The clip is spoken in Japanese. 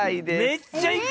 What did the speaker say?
めっちゃいく！